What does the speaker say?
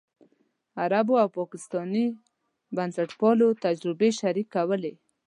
عربو او پاکستاني بنسټپالو تجربې شریکولې.